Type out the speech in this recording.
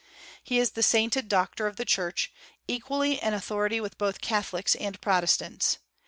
He is the sainted doctor of the Church, equally an authority with both Catholics and Protestants.